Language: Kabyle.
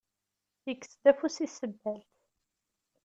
Yekkes-d afus i tsebbalt.